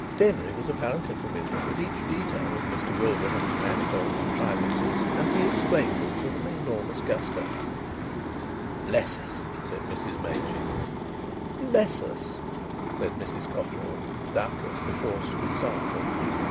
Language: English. Denry was apparently familiar with each detail of Mr Wilbraham's manifold contrivances, and he explained them with an enormous gusto. "Bless us!" said Mrs Machin. "Bless us!" said Mrs Cotterill (doubtless the force of example).